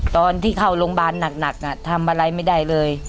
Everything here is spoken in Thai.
ตอนที่เข้าโรงพยาบาลหนักทำอะไรไม่ได้เลย